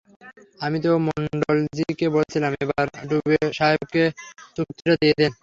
আমি তো মন্ডলজি কে বলেছিলাম, এবার ডুবে সাহেবকে চুক্তিটা দিয়ে দেন।